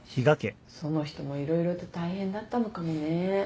その人も色々と大変だったのかもね。